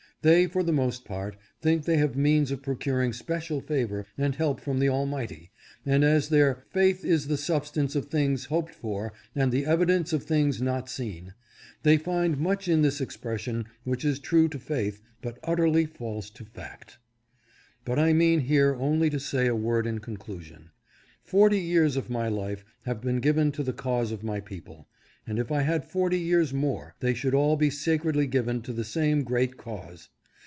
They, for the most part, think they have means of procuring special favor and help from the Almighty ; and, as their " faith is the substance of things hoped for and the evidence of things not seen," they find much in this expression which is true to faith, but utterly false to fact. But I meant here only to say a word in conclusion. Forty years of my life have been given to the cause of my people, and if I had forty years more they should all be sacredly given to the same great cause.